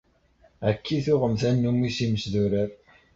Akka i tuɣem tannumi s yimesdurar.